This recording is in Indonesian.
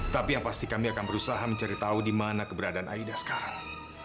tapi yang pasti kami akan berusaha mencari tahu di mana keberadaan aida sekarang